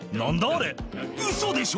あれウソでしょ？